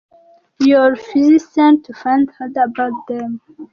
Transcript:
your physician to find further about them.